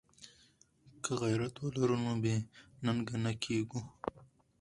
که غیرت ولرو نو بې ننګه نه کیږو.